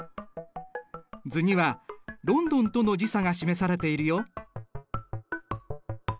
図にはロンドンとの時差が示されているよ。